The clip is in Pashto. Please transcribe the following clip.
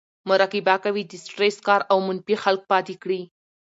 مراقبه کوي , د سټرېس کار او منفي خلک پاتې کړي